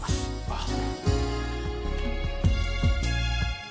あっ。